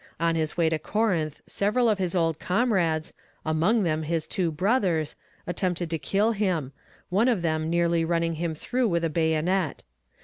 On his way to Corinth several of his old comrades, among them his two brothers, attempted to kill him, one of them nearly running him through with a bayonet.